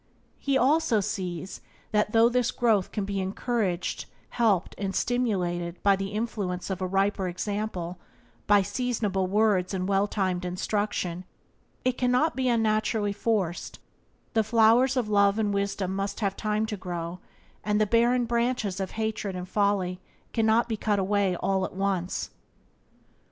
He also sees that though this growth can be encouraged, helped, and stimulated by the influence of a riper example, by seasonable words and well timed instruction, it cannot be unnaturally forced; the flowers of love and wisdom must have time to grow, and the barren branches of hatred and folly cannot be all cut away at once.